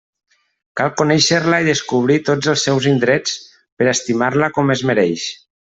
Cal conéixer-la i descobrir tots els seus indrets per a estimar-la com es mereix.